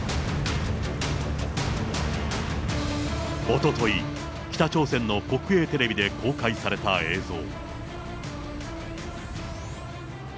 おととい、北朝鮮の国営テレビで公開された映像。